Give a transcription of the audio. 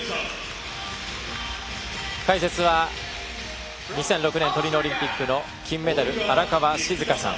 解説は２００６年トリノオリンピックの金メダル、荒川静香さん。